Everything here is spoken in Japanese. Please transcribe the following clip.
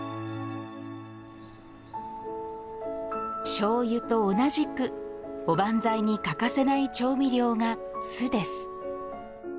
しょうゆと同じくおばんざいに欠かせない調味料が酢です。